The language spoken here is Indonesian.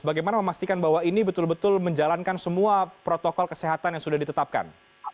bagaimana memastikan bahwa ini betul betul menjalankan semua protokol kesehatan yang sudah ditetapkan